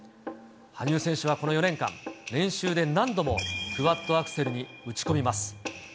羽生選手はこの４年間、練習で何度もクワッドアクセルに打ち込みます。